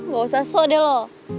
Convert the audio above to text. gak usah sok deh lo